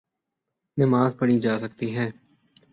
نماز پڑھی جاسکتی ہے۔